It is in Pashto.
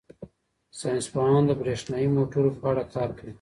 ساینس پوهان د بریښنايي موټرو په اړه کار کوي.